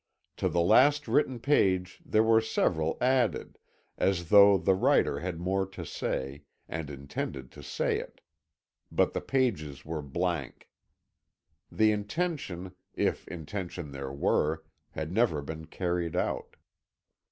To the last written page there were several added, as though the writer had more to say, and intended to say it. But the pages were blank. The intention, if intention there were, had never been carried out.